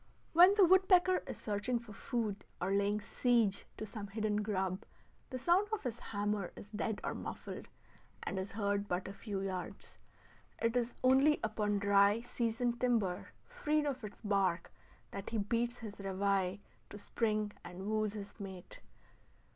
When the woodpecker is searching for food, or laying siege to some hidden grub, the sound of his hammer is dead or muffled, and is heard but a few yards. It is only upon dry, seasoned timber, freed of its bark, that he beats his reveille to spring and wooes his mate.